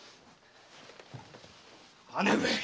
姉上！